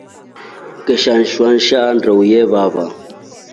Ukeeshwa nshaa ndeu yevava.